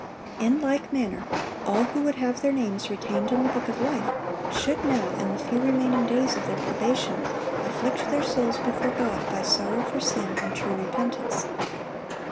In like manner, all who would have their names retained in the book of life, should now, in the few remaining days of their probation, afflict their souls before God by sorrow for sin and true repentance.